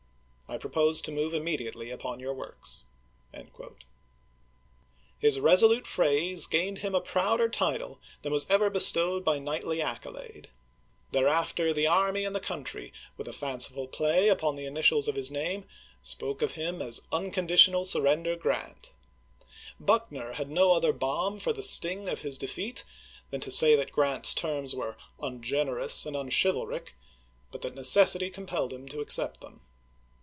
I propose to move immediately upon i862^'''w r. your works." His resolute phrase gained him a p.' lei. " prouder title than was ever bestowed by knightly accolade. Thereafter, the army and the country. 200 ABKAHAM LINCOLN Chap. XI. vdth a faiicif 111 play upon the initials of his name, spoke of him as " Unconditional SuiTender Grant." Buckuer had no other balm for the sting of his de feat than to say that Grant's terms were " ungener ous and unchivaMc," but that necessity compelled him to accept them.